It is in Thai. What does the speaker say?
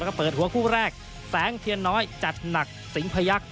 ก็เปิดหัวคู่แรกแสงเทียนน้อยจัดหนักสิงพยักษ